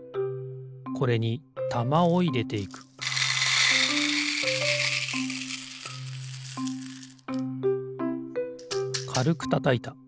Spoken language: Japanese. これにたまをいれていくかるくたたいた。